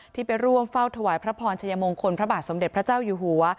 ที่ไปร่วมเฝ้าถวายพระพรชัยมงคลพระบาทสมเด็จพระเจ้าอยู่หัว